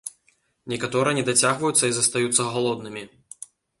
Некаторыя не дацягваюцца і застаюцца галоднымі.